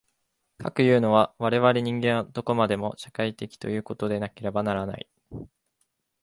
かくいうのは、我々人間はどこまでも社会的ということでなければならない。